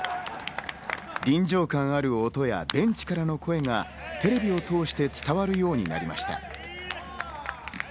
臨場感ある音やベンチからの声がテレビを通して伝わるようになりました。